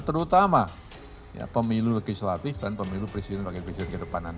terutama pemilu legislatif dan pemilu presiden wakil presiden ke depan nanti